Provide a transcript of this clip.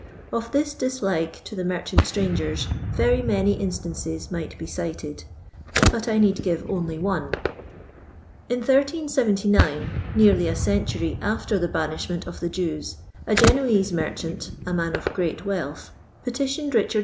Of this dislike to the merchant strangerii, very many instances might be cited, but I need give only one. In 1379, nearly a century after the banishment of the Jews, a Genoese merchant, a man of groat wealth, petitioned Richard II.